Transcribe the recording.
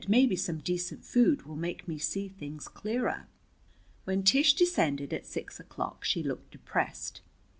"Maybe some decent food will make me see things clearer." When Tish descended at six o'clock, she looked depressed.